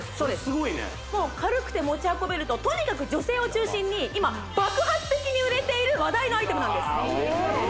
すごいね軽くて持ち運べるととにかく女性を中心に今爆発的に売れている話題のアイテムなんです